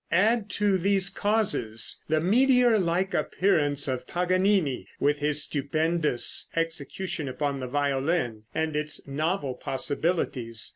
Add to these causes the meteor like appearance of Paganini, with his stupendous execution upon the violin, and its novel possibilities.